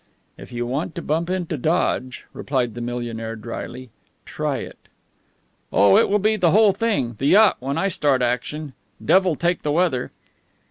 "If you want to bump into Dodge," replied the millionaire, dryly, "try it." "Oh, it will be the whole thing the yacht when I start action! Devil take the weather!"